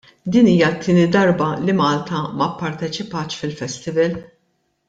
Din hija t-tieni darba li Malta ma pparteċipatx fil-festival.